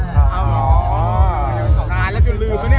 เขาก็ถ้าซื้อก็ซื้อด้วย